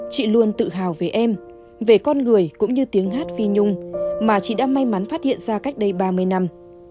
chị luôn tự hào về em về con người cũng như tiếng hát phi nhung mà chị đã may mắn phát hiện ra cách đây ba mươi năm